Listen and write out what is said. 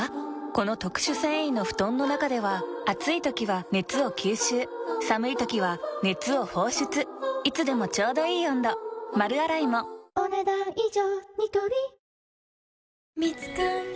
この特殊繊維の布団の中では暑い時は熱を吸収寒い時は熱を放出いつでもちょうどいい温度丸洗いもお、ねだん以上。